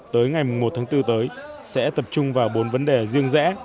tới ngày một tháng bốn tới sẽ tập trung vào bốn vấn đề riêng rẽ